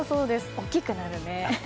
大きくなるね。